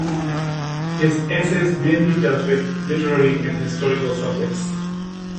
His essays mainly dealt with literary and historical subjects.